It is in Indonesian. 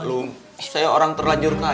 lu saya orang terlanjur kaya